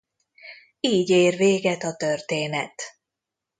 Így ér véget a történet.